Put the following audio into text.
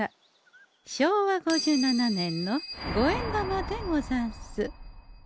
昭和５７年の五円玉でござんす。